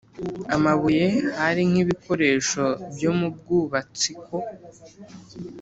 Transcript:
amabuye Hari nkibikoresho byo mu bwubatsiko